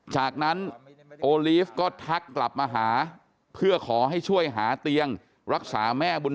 จากนั้นโอลีฟก็ทักกลับมาหาเพื่อขอให้ช่วยหาเตียงรักษาแม่บุญ